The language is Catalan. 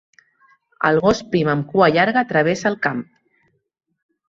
El gos prim amb la cua llarga travessa el camp.